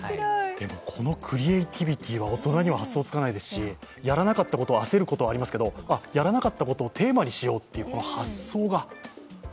このクリエイティビティは大人には発想できないですしやらなかったことを焦ることはありますけれども、やらなかったことをテーマにしようっていう発想が。